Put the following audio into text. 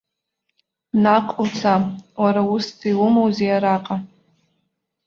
Наҟ уца, уара усс иумоузеи араҟа?!